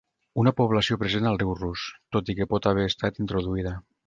Una població present al riu rus, tot i que pot haver estat introduïda.